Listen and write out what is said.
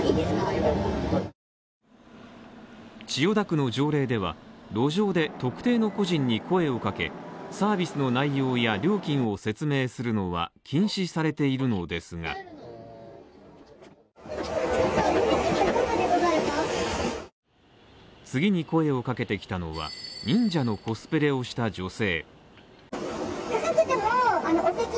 千代田区の条例では、路上で、特定の個人に声をかけ、サービスの内容や料金を説明するのは禁止されているのですが次に声をかけてきたのは忍者のコスプレをした女性。